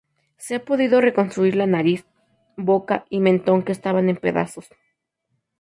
Se ha podido reconstruir la nariz, boca y mentón que estaban en pedazos.